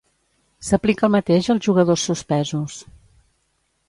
S'aplica el mateix als jugadors suspesos.